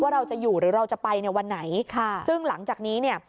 เราจะอยู่หรือเราจะไปในวันไหนค่ะซึ่งหลังจากนี้เนี่ย